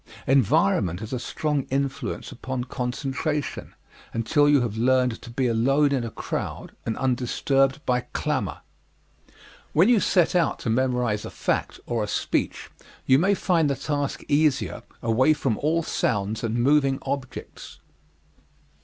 Environment has a strong influence upon concentration, until you have learned to be alone in a crowd and undisturbed by clamor. When you set out to memorize a fact or a speech, you may find the task easier away from all sounds and moving objects.